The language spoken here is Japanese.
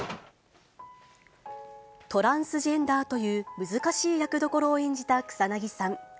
トランスジェンダーという難しい役どころを演じた草なぎさん。